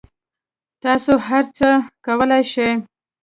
تاسو هر څه کولای شئ